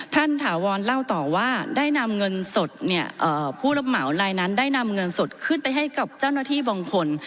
ถาวรเล่าต่อว่าได้นำเงินสดเนี่ยผู้รับเหมาลายนั้นได้นำเงินสดขึ้นไปให้กับเจ้าหน้าที่บางคน